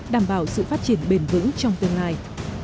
đảm bảo sự phát triển bền vững trong tương lai